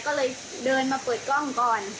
ก็เลยเดินมาเปิดกล้องก่อน